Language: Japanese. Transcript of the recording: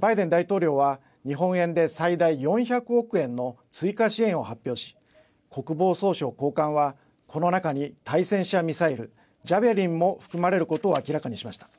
バイデン大統領は日本円で最大４００億円の追加支援を発表し国防総省高官はこの中に対戦車ミサイルジャベリンも含まれることを明らかにしました。